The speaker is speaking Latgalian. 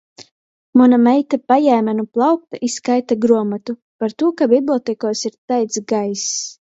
Muna meita pajēme nu plaukta i skaita gruomotu, partū ka bibliotekuos ir taids gaiss.